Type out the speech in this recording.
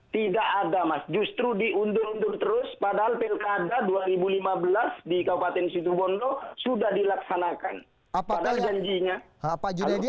tidak ada mas justru diundur undur terus padahal pilkada dua ribu lima belas di kabupaten situbondo sudah dilaksanakan padahal janjinya